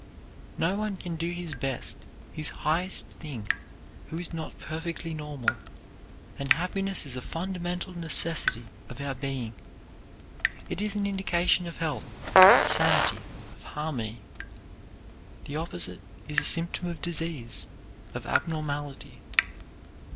No one can do his best, his highest thing, who is not perfectly normal, and happiness is a fundamental necessity of our being. It is an indication of health, of sanity, of harmony. The opposite is a symptom of disease, of abnormality.